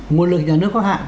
nguồn lực nhà nước có hạn